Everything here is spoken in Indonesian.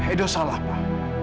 edo salah pak